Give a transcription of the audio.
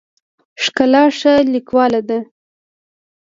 ښکلا ښه لیکواله ده.